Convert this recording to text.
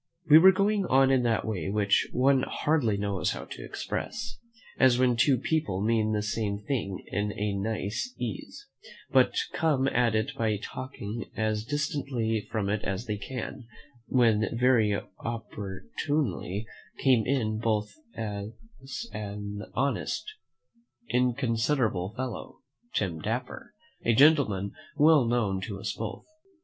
We were going on in that way which one hardly knows how to express; as when two people mean the same thing in a nice case, but come at it by talking as distantly from it as they can; when very opportunely came in upon us an honest, inconsiderable fellow, Tim Dapper, a gentleman well known to us both.